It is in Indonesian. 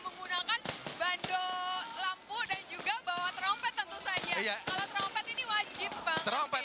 menggunakan bandol lampu dan juga bawa trompet tentu saja alat trompet ini wajib banget trompet